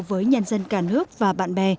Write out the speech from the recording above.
với nhân dân cả nước và bạn bè